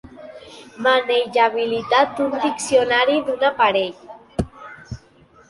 Manejabilitat d'un diccionari, d'un aparell.